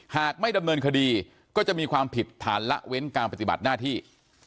หากไม่ดำเนินคดีก็จะมีความผิดฐานละเว้นการปฏิบัติหน้าที่